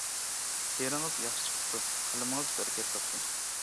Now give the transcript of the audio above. شېئىرىڭىز ياخشى چىقىپتۇ، قەلىمىڭىز بەرىكەت تاپسۇن!